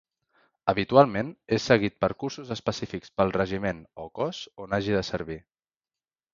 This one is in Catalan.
Habitualment és seguit per cursos específics pel regiment o cos on hagi de servir.